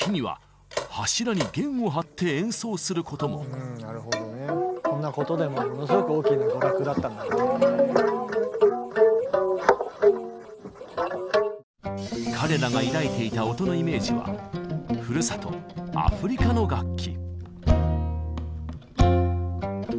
うんなるほどねこんなことでもものすごく彼らが抱いていた音のイメージはふるさとアフリカの楽器。